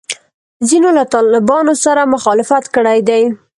ځینو له طالبانو سره مخالفت کړی دی.